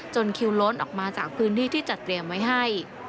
คิวล้นออกมาจากพื้นที่ที่จัดเตรียมไว้ให้